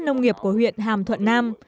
nông nghiệp của huyện hàm thuận nam